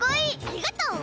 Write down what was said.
ありがとう！